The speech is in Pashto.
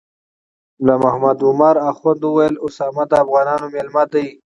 ملا محمد عمر اخند ویل اسامه د افغانانو میلمه دی.